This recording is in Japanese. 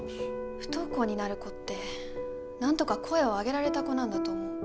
不登校になる子ってなんとか声を上げられた子なんだと思う。